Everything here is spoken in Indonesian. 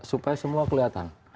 supaya semua kelihatan